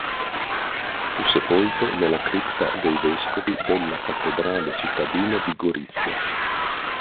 Fu sepolto nella cripta dei vescovi della cattedrale cittadina di Gorizia.